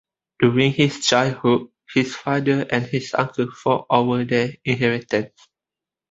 During his childhood, his father and his uncle fought over their inheritance.